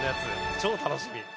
超楽しみ！」